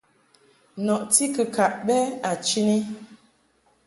Nɔti kɨkaʼ bɛ a chini.